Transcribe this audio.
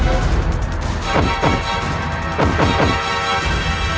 aku akan menangkapmu